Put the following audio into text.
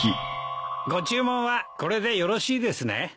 ご注文はこれでよろしいですね。